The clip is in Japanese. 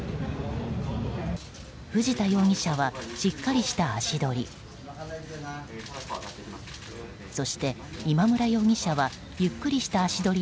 藤田容疑者はしっかりした足取り。